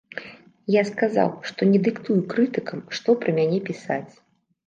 Я сказаў, што не дыктую крытыкам, што пра мяне пісаць.